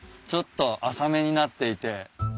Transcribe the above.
ちょっと浅めになっていて。